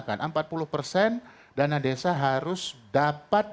ketika keadlone mesok kalau kita nakalaka